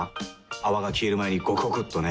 泡が消える前にゴクゴクっとね。